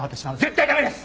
絶対駄目です！！